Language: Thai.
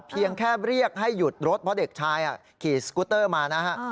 เพียงแค่เรียกให้หยุดรถเพราะเด็กชายขี่สกุตเตอร์มานะฮะ